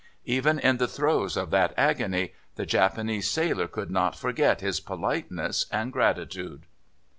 Even in the throes of that agony the Japanese sailor could not forget his politeness and gratitude."